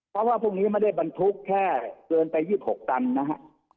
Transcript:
เพราะว่าพวกนี้ไม่ได้บรรทุกแค่เกินไป๒๖ตันนะฮะ